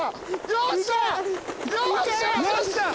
よっしゃ！